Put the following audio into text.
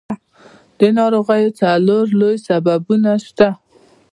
د ناروغیو څلور لوی سببونه شته.